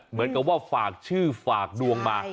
เหมือนกับว่าฝากชื่อฝากดวงมา